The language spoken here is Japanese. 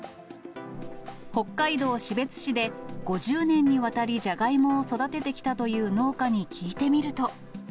北海道士別市で５０年にわたり、ジャガイモを育ててきたという農家に聞いてみると。